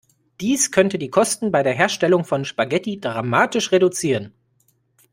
Dies könnte die Kosten bei der Herstellung von Spaghetti dramatisch reduzieren.